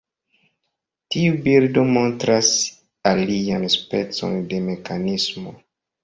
Tiu bildo montras alian specon de mekanismo.